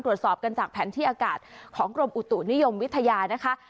ตรวจสอบกันจากแผนที่อากาศของกรมอุตุนิยมวิทยานะคะ